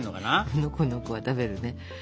むのこのこは食べるね。